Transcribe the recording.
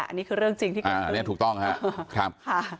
อันนี้คือเรื่องจริงที่เกิดขึ้นอันนี้ถูกต้องครับ